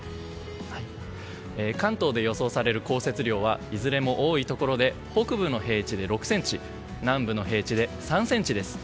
関東で予想される降雪量はいずれも多いところで北部の平地で６ｃｍ南部の平地で３ｃｍです。